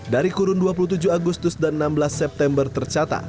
dari kurun dua puluh tujuh agustus dan enam belas september tercatat